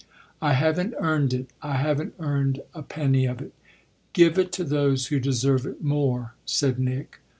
"I haven't earned it I haven't earned a penny of it. Give it to those who deserve it more," said Nick.